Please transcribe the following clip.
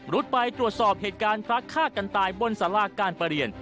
รุดไปตรวจสอบเหตุการณ์พระฆ่ากันตายบนสาราการประเรียน